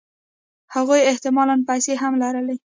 هغوی احتمالاً پیسې هم لرلې